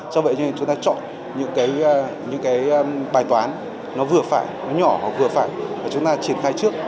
do vậy chúng ta chọn những bài toán vừa phải nhỏ vừa phải và chúng ta triển khai trước